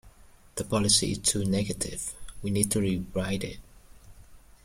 The policy is too negative; we need to rewrite it